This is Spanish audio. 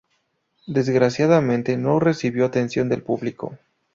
Desgraciadamente, no recibió atención del público.